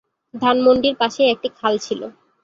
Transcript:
ধানমন্ডির পাশেই একটি খাল ছিল।